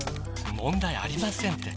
問題ありませんって。